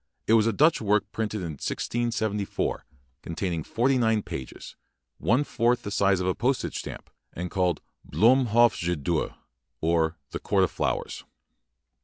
It was a Dutch work printed in 1674, contain ing forty nine pages, one fourth the size of a postage stamp, and called "Bloem Hof je door", or "The Court of Flowers".